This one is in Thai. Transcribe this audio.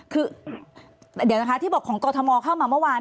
คือเดี๋ยวนะคะที่บอกของกรทมเข้ามาเมื่อวาน